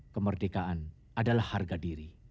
kemerdekaan adalah harga diri